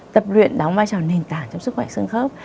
tập luyện đóng vai trò nền tảng trong sức khỏe sân khớp